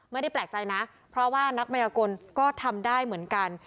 ไม่ได้แปลกใจนะเพราะว่านักมัยกลก็ทำได้เหมือนกัน